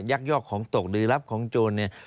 ยักยอกของตกหรือรับของโจรเนี่ย